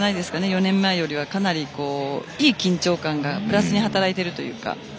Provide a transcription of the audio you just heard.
４年前よりも、いい緊張感がプラスに働いているというか。